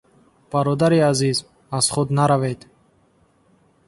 Бародари азиз, аз худ наравед.